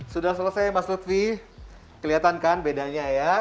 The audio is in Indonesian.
sudah selesai mas lutfi kelihatan kan bedanya ya